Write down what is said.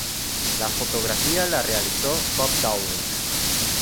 La fotografía la realizó Bob Dowling.